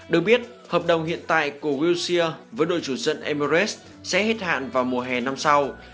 được biết hợp đồng hiện tại của georgia với đội chủ trận emirates sẽ hết hạn vào mùa hè năm sau